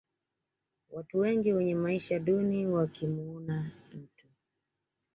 watu wengi wenye maisha duni wakimuona mtu